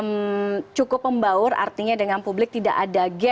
maksudnya sama dengan pengalaman